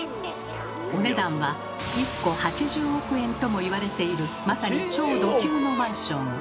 お値段は１戸８０億円ともいわれているまさに超ド級のマンション。